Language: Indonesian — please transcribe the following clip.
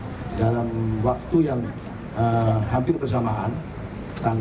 pertama tim dari direkturat narkoba polda dan tim dari korentabes surabaya